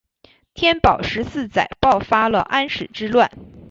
天宝十四载爆发了安史之乱。